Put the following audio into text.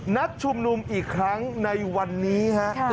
นัดชุมนุมอีกครั้งในวันนี้ฮะ